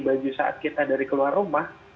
baju saat kita dari keluar rumah